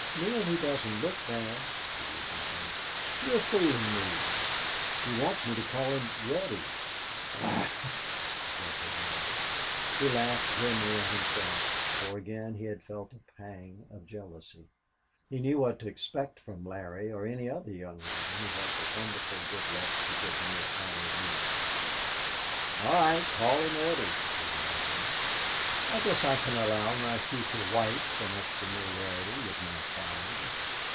"Neale, he doesn't look bad," she rejoined. "You're fooling me.... He wants me to call him Reddy." "Ahuh!" grunted Neale. He laughed grimly at himself, for again he had felt a pang of jealousy. He knew what to expect from Larry or any other young man who ever had the wonderful good luck to get near Allie Lee. "All right, call him Reddy," he went on. "I guess I can allow my future wife so much familiarity with my pard."